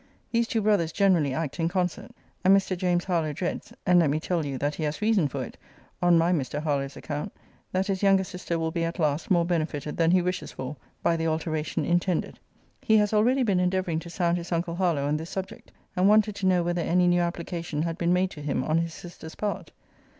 These two brothers generally act in concert; and Mr. James Harlowe dreads (and let me tell you, that he has reason for it, on my Mr. Harlowe's account) that his younger sister will be, at last, more benefited than he wishes for, by the alteration intended. He has already been endeavouring to sound his uncle Harlowe on this subject; and wanted to know whether any new application had been made to him on his sister's part.